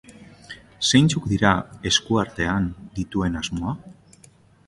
Zeintzuk dira eskuartean dituen asmoa?